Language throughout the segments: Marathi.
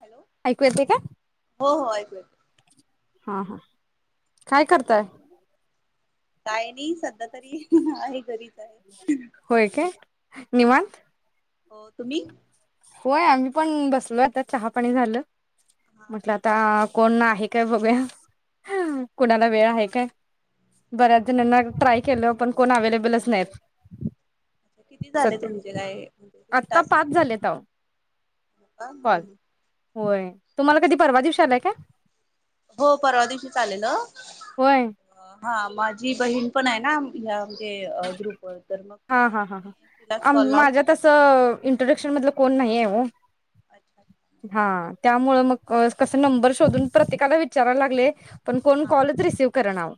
हॅलो ऐकू येते का? हो हो ऐकू येतय हा हा काय करताय? काय नाही सध्या तरी आहे घरीच आहे होय काय हा निवांत. हो. तुम्ही? होय आम्ही पण बसलो आता चहा पाणी झालं. हा म्हटलं हा आता कोण आहे काय बघूया कोणाला वेळ हाय काय बऱ्याच जणींना ट्राय केलं पण कोण अवेलेबलच नायेत. अ किती झाले तुमचे ताई म्हणजे किती आत्ता टास्क पाच झालेत अहो कॉल [inaudible] होय तुम्हाला कधी परवा दिवशी आलाय काय? हो परवा दिवशीच आलेल होय. हां माझी बहीण पण आहे ना हं म्हणजे ग्रुपवर तर मग हां तिचच हां हं तिलाच हं कॉल माझ्या लावला तसं इंट्रोडक्शन मधल कोण नाहीय ओ [inaudible] त्यामुळे मग कस नंबर शोधून प्रत्येकाला विचारायला लागले पण कोण हा कॉलच रीसिव्ह कराणा आव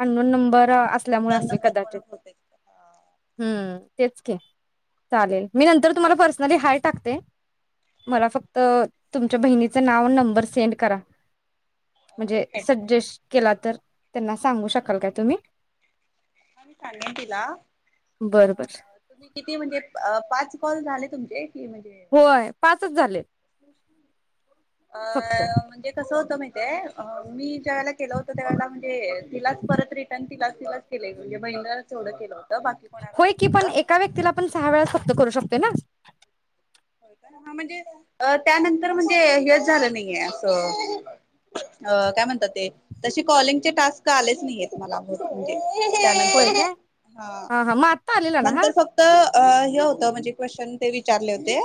अननोन नंबर असल्यामुळे दोन असेल नंबर मुळे कदाचित होते हा हम्म तेच की चालेलमि नंतर तुंम्हाला पर्सनली हाय टाकते हा मला हा. फक्त तुमच्या बहिणीचं नाव अन नंबर सेंट करा अ, म्हणजे ठीक आहे ठीक आहे सजेस्ट केला तर त्यांना सांगू शकाल काय तुंम्ही [inaudible] अ बरं बर तुम्ही किती म्हणजे पाच कॉल झाले तुमचे कि म्हणजे होय पाचच झाले अ फक्त म्हणजे कसं होतं माहीती ते अ मि त्यावेळेला केल होत त्यावेळेला म्हणजे तिलाच परत रीटन तिला तिलाच केलय म्हणजे बहीणीला सोडत गेलय होय की पण एका व्यक्तीला पण सहा वेळा च ते करू शकतोय ना हा म्हणजे त्यानंतर म्हणजे हेच झालं नाहीये असं काय म्हणतात ते तसे कॉलिंगचे टास्क आलेच नाहीयेत मला म्हणजे होय काय हा हा मग आत्ता आलेला ना हा नंतर फत्क हे होत म्हणजे क्वंशन ते विचारले होते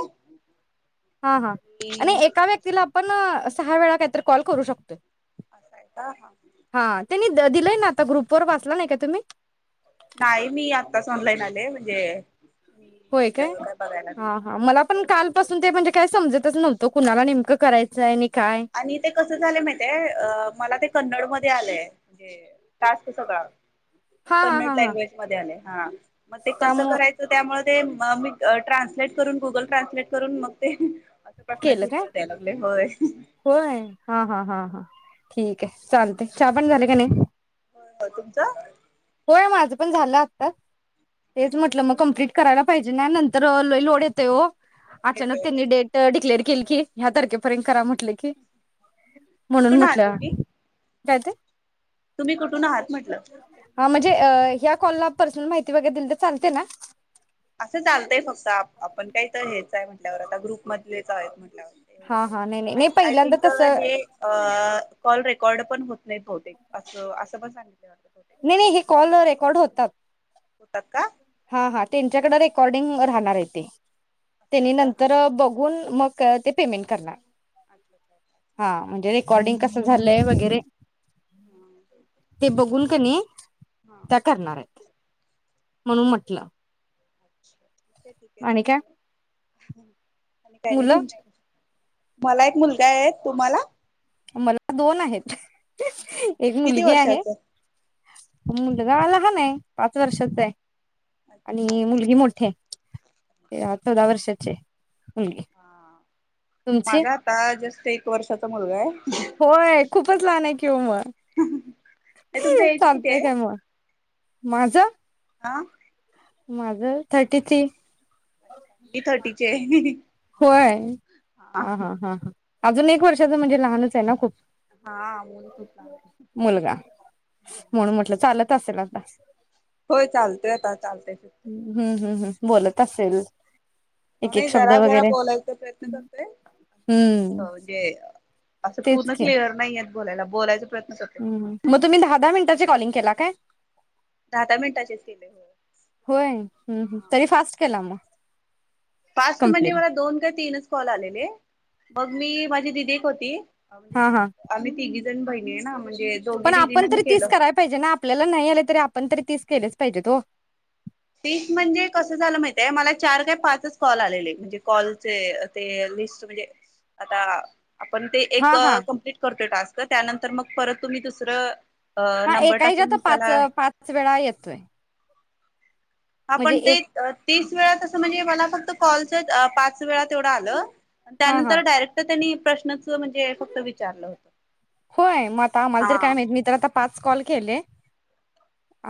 हा हा आणि एका व्यक्तीला आपण सहा वेळा काही तरी कॉल करू शकतो [inaudible] त्यांनी दिलंय ना आता ग्रुप वर वाचला नाही का तुम्ही नाही मी आत्ताच ऑनलाईन आले म्हणजे मी होय काय बघायला नाही हा हा मला पण कालपासून ते म्हणजे काय समजतच नव्हत तो कुणाला नेमकं करायचं आहे आणि ते कसे झाले माहि अ मला ते कन्नड म ते आलय टास्क होतो का हा हा हा कन्नड हा लँग्वेज मध्ये आलय हां मग ते कसं त्यामु करायचं त्यामुळे ते मी ट्रान्सलेट करून, गुगल ट्रान्सलेट करून मग ते असं केलं प्रश्नाचे काय उत्तर द्यायला लावलयं. होय, होय, हा हा हा हा ठीक आहे. चालतयं चहा पाणी झाले का नाही. हो हो तुमचं, होय, माझं पण झालं आत्ता तेच म्हटलं मग कमप्लीट करायला पाहिजे. नाही नंतर लय लोड येतय, हो अचानक येतो त त्यांनी येतो डेट डिक्लेअर केल की, ह्या तारखेपर्यत करा म्ह म्हटलं की, म्हणून कुठून आहात म्हटल. तुम्ही काय ते? तुम्ही कुठून आहात म्हटलं. हा म्हणजे ह्या कॉलला पर्सनल माहिती वैगरे दिली. तर चालते ना, असं चालतंय फक्त आपण काही तर हेच आहे. म्हण म्हटल्यावर आता ग्रुपमधलेच आहेत. हा हा नाही नाही नाही आणि आय पहिल्यांदा थिंक तसं हे काॅल रेकॉर्ड कोर्ड पण होत नाही. बहुतेक अस असं पण सांगित नाही, नाही हे कॉल रेकॉर्ड होतात. होतात का? हा हा त्यांच्याकडे रेकॉर्डिंग राहणार आहे ते, आहे त्यांनी का हा नंतर बघून, मग ते पेमेंट करणार. हा म्हणजे रेकॉर्डिंग [inaudible] झालंय वगैरे, ते बघून, कणी हा त्या करणार आहेत. म्हणून म्हटलं. अ् ठीक आहे, ठीक आहे आणि काय चालेल ना. आणि काय नाही मुलं तुमच्या मला एक मुलगा आहे. तुम्हाला मला दोन आहेत. एक किती मुलगी आहे वर्षाचं. मुलगा लहान आहे. पाच वर्षाचा आहे. अच्छा हा आणि मुलगी मोठे हाय. आता दाहा वर्षाचे हाय. हा माझा आता जस्ट एक एक वर्षाचा मुलगा आहे. नाही होय खूपच लहान आहे की ओ मग, तुमचं एज किती चालतय आहे काय मग माझं? आ माझं थर्टी थ्री. मी थर्टीची आहे.. [inaudible] होय. हा हा हा हा अजून एक वर्षाचं, म्हणजे लहानच आहे ना खूप? हा म ख का [inaudible] मुलगा म्हणून म्हटलं चालत असेल आता. होय चालतोय आता. चालतय फिरतय ह्म हम् हम् हम् बोलत असेल. हो एक एक नाही शब्द जरा जरा वगैरे बोलायचा प्रयत्न करतोय अजून हम्म म्हणजे असं पूर्ण क्लिअर नाही. बोलायला बोलायचं हम् मग तुम्ही दहा दहा मिनिटाची कॉलिंग केला काय? दहा दहा मिनिटाचेच केले हो. होय हम्म तरी फास्ट केला मग. फास्ट म्हणजे कंप्लीट मला दोन काय तीनच कॉल आलेले. मग मी माझी दिदी एक होती. हा म्हणजे हा आम्ही तीघी तीन बहिणी आहे ना. दोघी पण आपण दिदींना मी तरी तीस केलं. करायला पाहिजे ना आपल्याला नाही आले तरी पण त तीस केलेच पाहिजे ओ. तीस म्हणजे कसं झालं माहितय, मला चार काय पाचच कॉल आलेले म्हणजे कॉलचे ते लिस्ट म्हणजे आता आपण ते एक हा हा कंप्लीट करतोय टास्क त्यानंतर मग, परत तुम्ही दुसरं अ हा नंबर एकाच्या तर टाकून पाच त्याला पाच वेळा येतोय. म्हणजे आपण ते एक ती पाच वेळासं म्हणजे मला फक्त कॉलच पाच वेळा तेवढं आलं. हा हा त्यानंतर डायरेक्ट त्यांनी प्रश्नच म्हणजे फक्त विचारलं होत. होय, मग आम्हाला तरी काय माहित, मी तर आता पाच कॉल केले.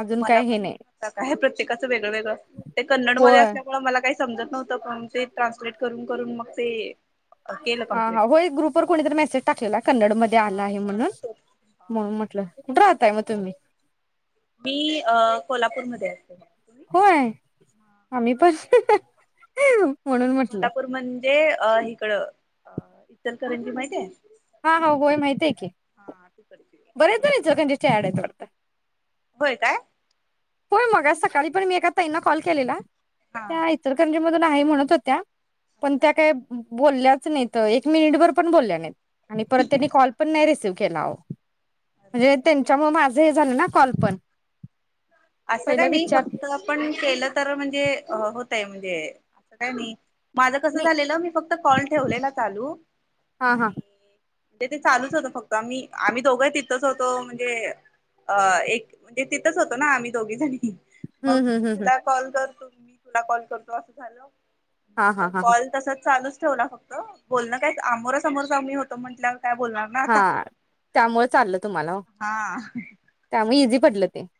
अजून काय हे मलापण नाही [unintelligible] पण आहे प्रत्येकाचं वेगळं वेगळं, ते कन्नड मध्ये होय असल्यामुळे मला काही समजत नव्हत, पण ते ट्रान्सलेट करून करून मग ते केलं हा.. हा.. कम्प्लीट. हो, एक ग्रुपवर कोणीतरी मेसेज टाकलेला कन्नड मध्ये आला आहे म्हणून, म्हणून म्हटलं. कुठ राहताय म तुम्ही? मी अ कोल्हापूरमध्ये असते. [inaudible] [inaudible] होय आम्ही [unintelligible] म्हणून म्हटलं. ते हिकडं आ इचलकराजी माहतीेये? हा हा होय माहिती आहे की, तिकडची [unintelligible] व्हय काय होय मग, आज सकाळी पण मी एका ताईंना कॉल केलेला. हा. त्या [unintelligible] [unintelligible] नाही म्हणत होत्या. पण त्या काय बोलल्याच नाहीत, अ एक मिनिटभर पण बोलल्या नाहीत. आणि परत त्यांनी कॉल पण नाही रिसिव्ह केेला अहो म्हणजे त्यांच्यामुळे माझे [unintelligible] कॉल पण. असं पहिला काही नाही विचार फक्त आपण केलं तर म्हणजे अ होत. [unintelligible] असं काय नाही माझं कसं नाही झालेलं, मी फक्त कॉल ठेवलेला चालू हा हा आणि ते ते चालूच होतं फक्त आम्ही, आम्ही दोघं तिथंच होतो म्हणजे अ एक म्हणजे तिथंच होतो ना आम्ही. दोघी जणी. मग हम्म हम्म हम्म तुला कॉल जर तुला कॉल करतो असं झालं. हा मग हा हा कॉल तसा चालूच ठेवला फक्त, बोलण काय आमोरासमोर जाऊ नही होत म्हटलं हा.. त्यामुळे चाललं तुम्हाला, हा त्यामुळे इझी [unintelligible]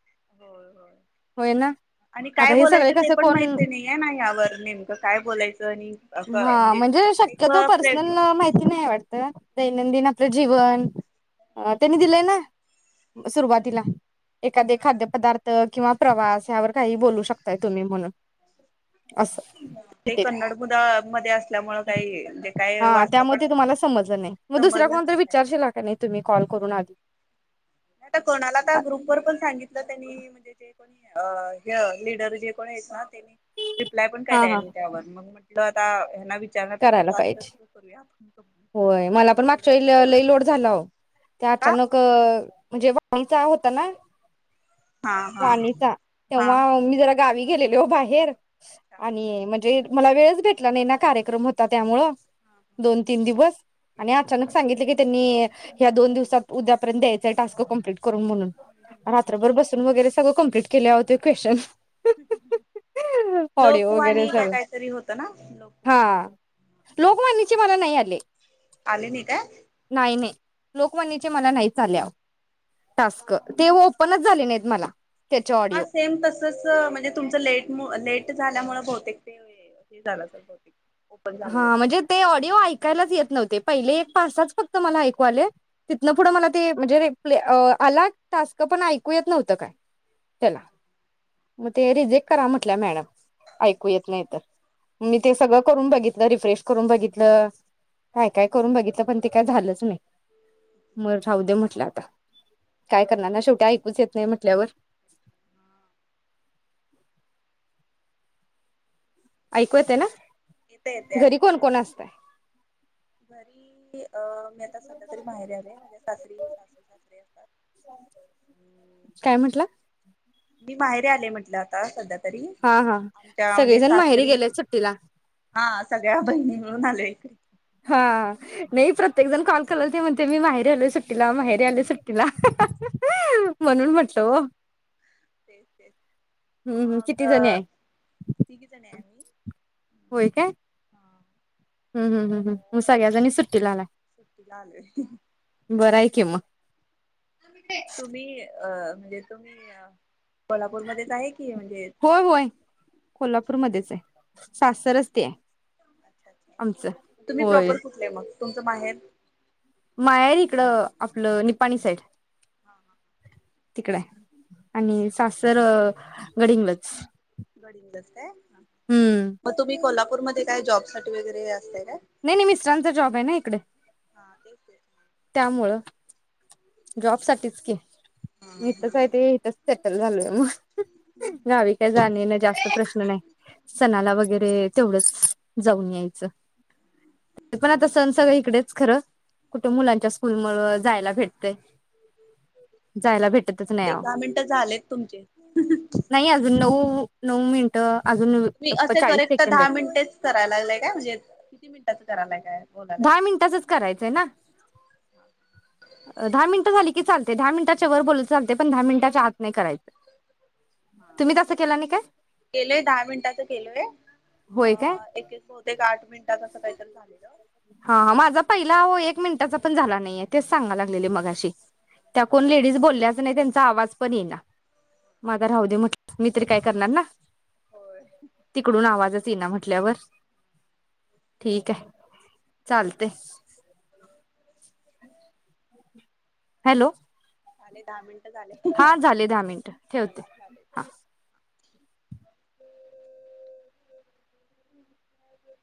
होय होय होय ना आणि आता काय हे सगळे बोलायचं ते कसं पण कोण माहित नाईये ना यावर नेमकं काय बोलायचं आणि हा म्हणजे एक शक्यतो प्रे पर्सनलअ माहिती नाही वाटत दैनंदिन आपलं जीवन त्यांनी दिलंय ना सुरुवातीला एखादे खाद्य पदार्थ किंवा प्रवास यावर काहीही बोलू शकताय तुम्ही म्हणून. असं ते भेटेल कन्नड मुदा मध्ये असल्यामुळे काही जे काय हां वाचत पण त्यामध्ये तुम्हाला समजल नाही मग दुसऱ्या कोणाला समजलंच तरी नाही काय विचारशीला कनी तुम्ही कॉल करून आधी नाही आता कोणाला आता ग्रुप वर पण सांगितलं त्यांनी म्हणजे जे कोणी लिडर जे कोणी आहेत ना रिप्लाय पण काय हा द्याय हा नाही त्यावर मग म्हण् लो आता यांना विच् करायला पाहिजे कंप्लीट होय. मला पण तेवढं होईल मागच्या तेवढं लई लोड झाला ते का अचानक म्हणजे वाणीचा होता ना हा हा वाणीचा हा हा तेव्हा मी जरा गावी गेलेले ओ बाहेर. अच्छा आणि म्हणजे मला वेळच भेटला नाही ना कार्य क्रम होता त्यामुळे हा. दोन तीन दिवस आणि अचानक सांगितले की त्यांनी ह्या दोन दिवसात उद्यापर्यंत द्यायच टास्क कंप्लीट करून म्हणून रात्रभर बसून वगैरे सगळ कंप्लीट केलंय अहो तर् क्वेशन् वगैरे लोकवाणी काय सगळं काहीतरी होतं ना लोक् वाणी हा लोकवाणीचे मला नाही आले. आले नाही काय? नाही नाही लोकवाणीचे मला नाहीच आले अहो टास्क ते ओपनच झाले नाहीत मला. त्याचे हा ऑडिओ सेम तसचं म्हणजे तुमचं लेट म् लेट झाल्यामुळे बहतेक ते हे झालं असेल भवतेक हा म्हणजे ते ऑडिओ ऐकायलाच येत नव्ह् ते पहिले एक पासाच फक्त मला ऐकू आले. तिथनं पुढं हा मला ते म्हणजे रे आला टास्क पण ऐकू येत नव्हतं‌ काय? त्याला मग ते रिजेक्ट करा म्हंटल्या मॅडम ऐकू येत नाही तर मी ते सगळं करून बघि् रिफ्रेश करून बघितलं काय काय करून बघितलं पण ते काय झालंच नाही मग राहू दे म्हटलं आता काय करणार ना शेवटी ऐकूच येत नाही म्हंटल्यावर. [inaudible] ऐकू येत ना येत येते घरी कोण ऐकू कोण असतंय? घरी अ मी आता सध्या तरी माहेर आलेय माझ्या सासरी सासू सासरे असतात अ् काय म्हटलं मी बाहेरे आलेय म्हटलं आता सध्या तरी हा हा आमच्या म्हणजे सगळेजण माहेरी सासरी गेलेत सुट्टीला. हा सगळ्या बहिणी मिळून आल्या [unintelligible] हा नाई प्रत्येक जण कॉल कराल ते म्हणते मी माहेरी आलोय सुट्टीला माहेरी आलो सुटीला म्हणून म्हटलं ओ किती जणी आहे होय काय [unintelligible] हम् हम् हम्म मग सगळ्याजणी सुट्टीला आला सुट्टीला आलोय बरय की किम तुम्ही अ [unintelligible] कोल्हापूरमध्येध्येच आहे कि म्हणजे होय होय कोल्हापूरमध्येच सासरच ते ये. अच्छा आमचं अच्छा तुम्ही होय प्रॉपर कुठले मग तुमचं माहेर? माहेर इकड आपलं निपाणी साइड. [inaudible] तिकड ये आणि सासर गडहिंग्लज. गडहिंग्लज काये. मग तुम्ही कोल्हा पूरमध्ये काय जॉबसाठी वगैरे या नाही नाही मिस्टरांचा जॉब आहे ना इकडे हा तेच तेच त्यामुळं जॉब साठीच की. हा इथच आहे ते इथच सेटल झालोय मग गावी काय जाणे ना जास्त प्रश्न नाही सणाला वगैरे तेवढंच जाऊन यायचं [unintelligible] आता सण सगळ इकडेच खरं मुलांच्या स्कूल जायला भेट जायला भेटतच नाही बहुतेक ओहो दहा मिनिटं झालेत तुमचे नाही अजून नऊ नऊ मिनट तुम्ही असे करेक्ट दहा मिनिटेच करायला लागलेय काय म्हणजे किती मिनिटाच करायला? दहा मिनिटाचच करायचंय ना! दहा मिनिट झाली की चालतेय दहा मिनिटाच्या वर बोलल तर चालतेय पण दहा मिनिटाच्या आत नाही करायचं. तुम्ही तसं केला नाही काय केलोय दहा मिनिटाच केलोय. होय काय [unintelligible] आठ मिनिटात [unintelligible] हा माझा पहिला आओ एक मिनिटाचा पण झाला नहीये, तेच सांगा लागलेले मगाशी. त्या कोण लेडीज बोलल्याच नाही त्यांचा आवाज पण येई ना माझ राहू दे म्हट, मी तरी काय करणार ना. होय तिकडून आवाजच येई ना म्हटल्यावर ठीक आहे. चालतय. हॅलो! झाले दहा मिनट. हा झाले दहा मिनिट ठेवते हा! अ [inaudible]